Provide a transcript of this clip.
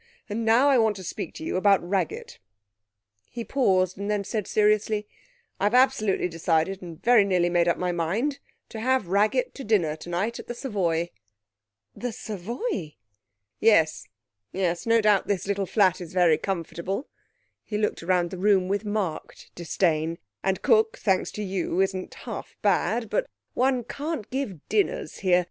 And now I want to speak to you about Raggett.' He paused, and then said seriously, 'I've absolutely decided and very nearly made up my mind to have Raggett to dinner tonight at the Savoy.' 'The Savoy?' 'Yes, yes; no doubt this little flat is very comfortable' he looked round the room with marked disdain 'and cook, thanks to you, isn't half bad ... but one can't give dinners here!